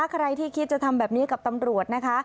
ใครที่คิดจะทำแบบนี้กับตำรวจนะคะ